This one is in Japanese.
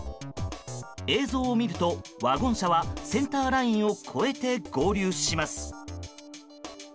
映像を見るとワゴン車はセンターラインを越えて合流します。